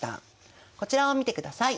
こちらを見てください。